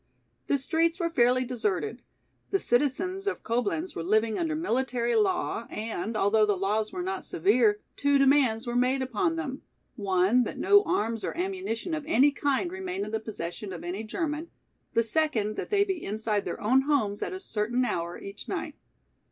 The streets were fairly deserted. The citizens of Coblenz were living under military law and, although the laws were not severe, two demands were made upon them, one that no arms or ammunition of any kind remain in the possession of any German, the second that they be inside their own homes at a certain hour each night.